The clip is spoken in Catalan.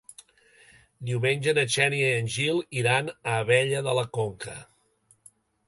Diumenge na Xènia i en Gil iran a Abella de la Conca.